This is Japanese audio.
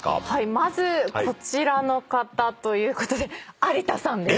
まずこちらの方ということで有田さんです。